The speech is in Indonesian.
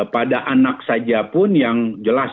pada anak saja pun yang jelas